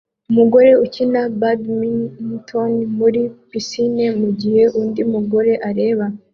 Umugore ukina badminton muri pisine mugihe undi mugore areba